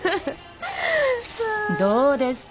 どうですか？